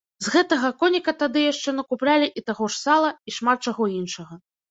З гэтага коніка тады яшчэ накуплялі і таго ж сала, і шмат чаго іншага.